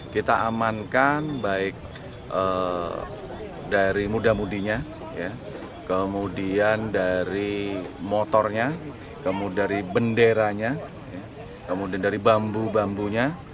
kita amankan baik dari muda mudinya kemudian dari motornya kemudian dari benderanya kemudian dari bambu bambunya